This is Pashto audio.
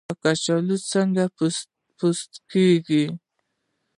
کچالو څنګه پوست کیږي؟